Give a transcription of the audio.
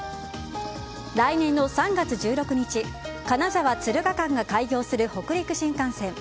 来年の３月１６日金沢敦賀間が開業する北陸新幹線。